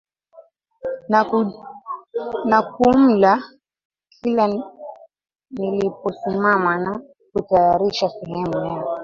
na kumla Kila niliposimama na kutayarisha sehemu ya